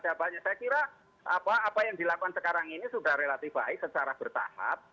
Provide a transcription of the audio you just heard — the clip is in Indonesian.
saya kira apa yang dilakukan sekarang ini sudah relatif baik secara bertahap